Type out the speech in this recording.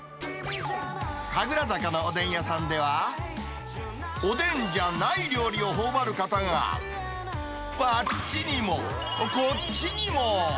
神楽坂のおでん屋さんでは、おでんじゃない料理をほおばる方があっちにも、こっちにも。